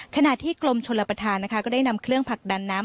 ขณะที่กรมชลประธานนะคะก็ได้นำเครื่องผลักดันน้ำ